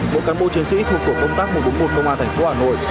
mỗi cán bộ chiến sĩ thuộc tổ công tác một trăm bốn mươi một công an thành phố hà nội